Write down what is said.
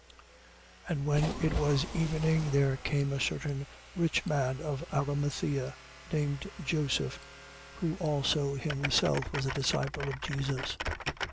27:57. And when it was evening, there came a certain rich man of Arimathea, named Joseph, who also himself was a disciple of Jesus.